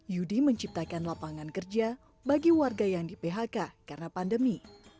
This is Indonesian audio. yudi menciptakan lapangan kerja bagi warga yang di phk karena pandemi